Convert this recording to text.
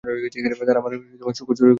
তারা আমার শূকর চুরি করেছে।